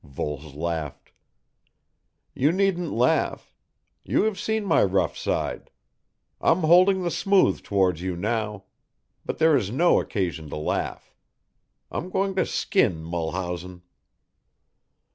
Voles laughed. "You needn't laugh. You have seen my rough side. I'm holding the smooth towards you now but there is no occasion to laugh. I'm going to skin Mulhausen."